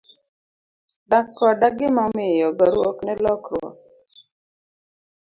Dak koda gima omiyo, goruok ne lokruok.